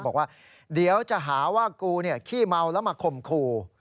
บอกว่าเดี๋ยวจะหาว่ากูขี้เมาแล้วมาข่มขู่